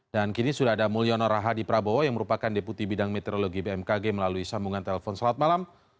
dan kini sudah ada mulyono rahadi prabowo yang merupakan deputi bidang meteorologi bmkg melalui sambungan telepon selat malam